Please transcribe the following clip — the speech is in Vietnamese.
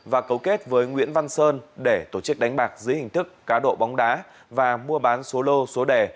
và cấu kết với nguyễn văn sơn để tổ chức đánh bạc dưới hình thức cá độ bóng đá và mua bán số lô số đẻ